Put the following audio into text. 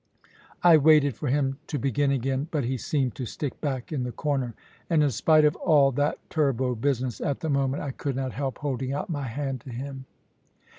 I waited for him to begin again, but he seemed to stick back in the corner. And in spite of all that turbot business, at the moment I could not help holding out my hand to him.